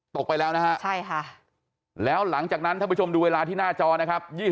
ตกไปแล้วนะฮะใช่ค่ะแล้วหลังจากนั้นท่านผู้ชมดูเวลาที่หน้าจอนะครับ